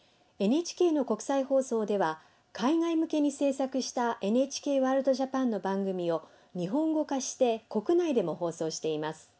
ＮＨＫの国際放送では海外向けに制作した「ＮＨＫワールドＪＡＰＡＮ」の番組を日本語化して国内でも放送しています。